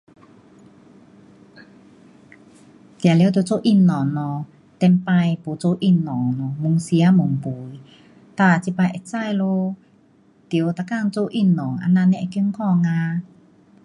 当然得做运动咯，以前没做运动，越吃越肥。哒这次会晓咯。得每天做运动，这样会健康哪。